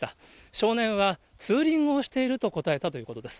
少年は、ツーリングをしていると答えたということです。